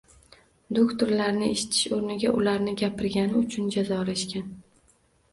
Doʻktorlarni eshitish oʻrniga, ularni “gapirgani uchun”, jazolashgan